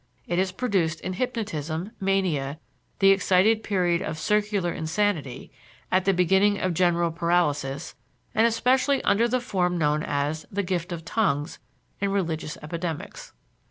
It is produced in hypnotism, mania, the excited period of "circular insanity," at the beginning of general paralysis, and especially under the form known as "the gift of tongues" in religious epidemics.